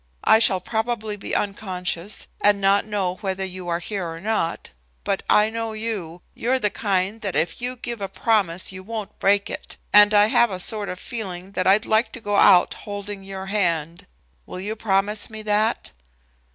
I shall probably be unconscious, and not know whether you are here or not, but I know you. You're the kind that if you give a promise you won't break it, and I have a sort of feeling that I'd like to go out holding your hand. Will you promise me that?"